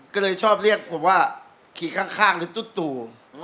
ก็เลยชอบเรียกผมว่าขี่ข้างหรือตุ๊ดตู่